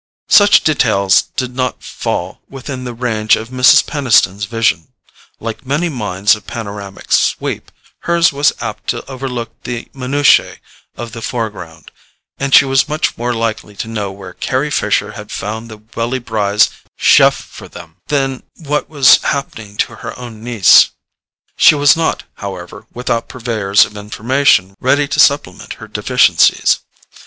Such details did not fall within the range of Mrs. Peniston's vision. Like many minds of panoramic sweep, hers was apt to overlook the MINUTIAE of the foreground, and she was much more likely to know where Carry Fisher had found the Welly Brys' CHEF for them, than what was happening to her own niece. She was not, however, without purveyors of information ready to supplement her deficiencies.